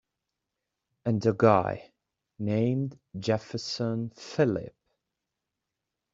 And a guy named Jefferson Phillip.